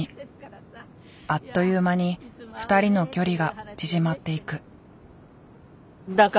あっという間に２人の距離が縮まっていく。